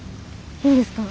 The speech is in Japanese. いいんですか？